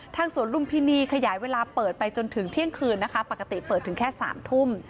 สวนลุมพินีขยายเวลาเปิดไปจนถึงเที่ยงคืนนะคะปกติเปิดถึงแค่๓ทุ่ม